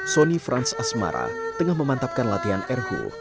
sony franz asmara tengah memantapkan latihan erhu